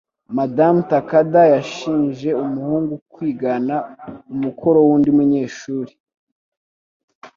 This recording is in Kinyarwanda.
Madamu Takada yashinje umuhungu kwigana umukoro w’undi munyeshuri